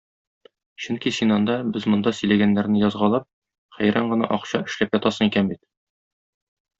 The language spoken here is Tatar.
Чөнки син анда, без монда сөйләгәннәрне язгалап, хәйран гына акча эшләп ятасың икән бит...